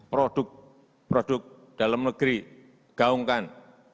produk produk dalam negeri gaungkan